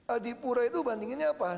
adipura itu bandinginnya apa